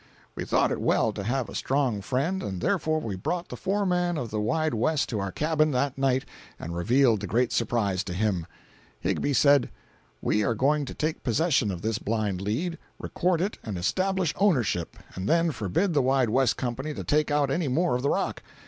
We thought it well to have a strong friend, and therefore we brought the foreman of the Wide West to our cabin that night and revealed the great surprise to him. Higbie said: "We are going to take possession of this blind lead, record it and establish ownership, and then forbid the Wide West company to take out any more of the rock.